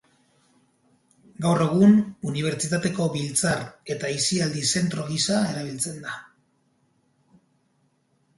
Gaur egun Unibertsitateko biltzar eta aisialdi zentro gisa erabiltzen da.